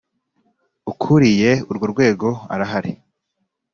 Ukuriye urwo rwego arahari.